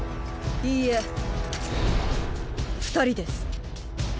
いいえ二人です。